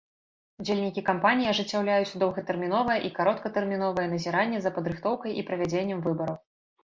Удзельнікі кампаніі ажыццяўляюць доўгатэрміновае і кароткатэрміновае назіранне за падрыхтоўкай і правядзеннем выбараў.